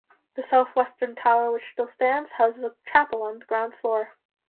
The south-western tower which still stands, houses a chapel on the ground floor.